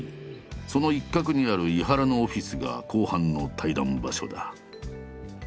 その一角にある井原のオフィスが後半の対談場所だ。